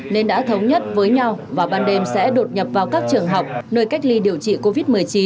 nên đã thống nhất với nhau và ban đêm sẽ đột nhập vào các trường học nơi cách ly điều trị covid một mươi chín